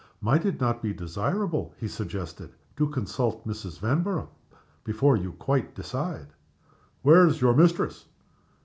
"Might it not be desirable," he suggested, "to consult Mrs. Vanborough before you quite decide?" "Where's your mistress?"